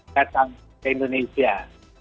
datang ke indonesia